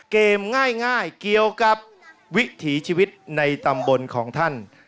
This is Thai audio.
ง่ายเกี่ยวกับวิถีชีวิตในตำบลของท่าน